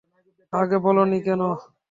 আগে বলোনি কেন?